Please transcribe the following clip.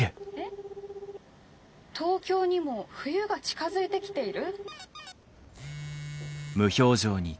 東京にも冬が近づいてきている？」。